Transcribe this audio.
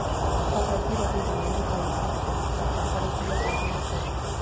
ازادي راډیو د مالي پالیسي د پرمختګ په اړه هیله څرګنده کړې.